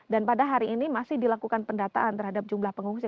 dan pada hari ini masih dilakukan pendataan terhadap jumlah pengungsi